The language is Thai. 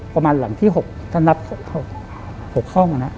ประมาณหลังที่๖ถ้านับ๖ห้อง